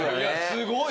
すごい。